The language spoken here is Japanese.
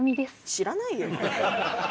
知らないよ。